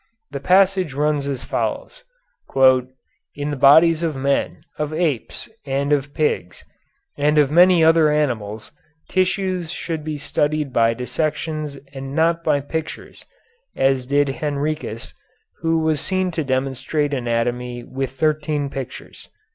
The passage runs as follows: "In the bodies of men, of apes, and of pigs, and of many other animals, tissues should be studied by dissections and not by pictures, as did Henricus, who was seen to demonstrate anatomy with thirteen pictures."